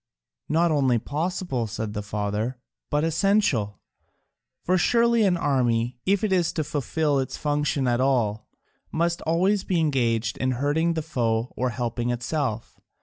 "Not only possible," said the father, "but essential. For surely an army, if it is to fulfil its function at all, must always be engaged in hurting the foe or helping itself.